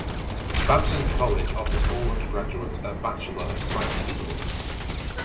Babson College offers all undergraduates a bachelor of science degree.